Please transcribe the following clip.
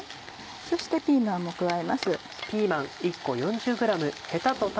そしてピーマンも加えます。